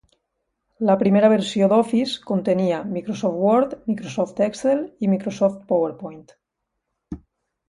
La primera versió d'Office contenia Microsoft Word, Microsoft Excel i Microsoft PowerPoint.